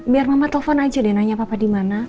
biar mama telepon aja deh nanya papa di mana